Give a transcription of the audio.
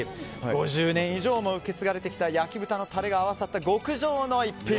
５０年以上も受け継がれてきた焼豚のタレが合わさった極上の逸品。